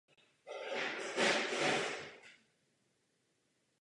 Mlha vzniká jako důsledek kondenzace v přízemní vrstvě vzduchu.